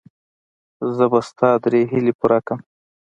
زه به ستا درې هیلې پوره کړم.